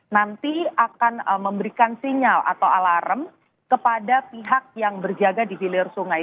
nanti akan memberikan sinyal atau alarm kepada pihak yang berjaga di hilir sungai